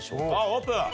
オープン。